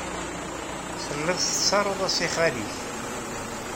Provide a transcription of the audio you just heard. Telliḍ tettaruḍ-as i xali-k.